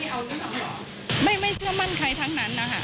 ว่าเขาก็ทำงานในรถเบ้นแล้วเขาก็ไม่เชื่อมั่นใครทั้งนั้นนะครับ